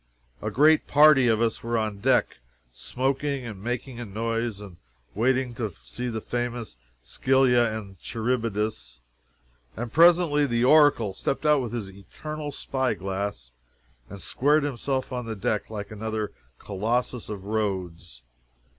A great party of us were on deck smoking and making a noise, and waiting to see famous Scylla and Charybdis. And presently the Oracle stepped out with his eternal spy glass and squared himself on the deck like another Colossus of Rhodes.